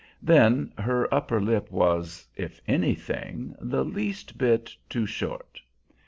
Then, her upper lip was, if anything, the least bit too short.